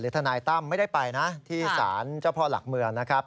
ทนายตั้มไม่ได้ไปนะที่สารเจ้าพ่อหลักเมืองนะครับ